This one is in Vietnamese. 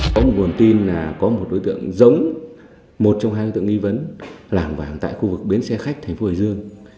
có một nguồn tin là có một đối tượng giống một trong hai đối tượng nghi vấn làng vàng tại khu vực biến xe khách thành phố hồi dương